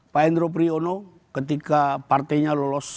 pak endro priyono ketika partainya